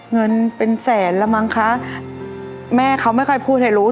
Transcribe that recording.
เงินเป็นแสนแล้วมั้งคะแม่เขาไม่ค่อยพูดให้รู้